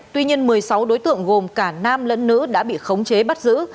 tuy nhiên một mươi sáu đối tượng gồm cả nam lẫn nữ đã bị khống chế bắt giữ